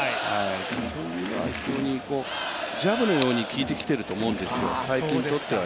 そういうのは非常にジャブのように効いてきていると思うんですよ、才木にとっては。